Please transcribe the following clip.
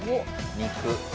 肉。